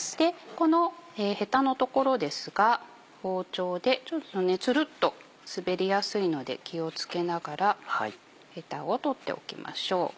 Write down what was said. このヘタの所ですが包丁でツルっと滑りやすいので気を付けながらヘタを取っておきましょう。